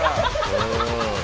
うん。